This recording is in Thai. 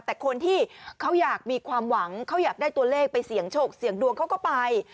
แต่คนที่เขาอยากมีความหวังเขาอยากได้ตัวเลขไปเสี่ยงโชคเสี่ยงดวงเขาก็ไป